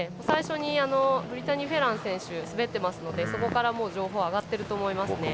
最初にブリタニー・フェラン選手滑っていますので情報が上がっていると思います。